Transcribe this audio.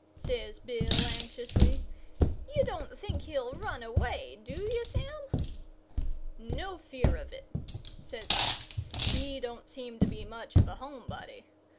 says Bill, anxiously. "You don't think he'll run away, do you, Sam?" "No fear of it," says I. "He don't seem to be much of a home body.